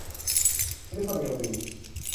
แคลิฟอร์เนียวิลล์